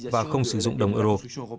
và không sử dụng đồng euro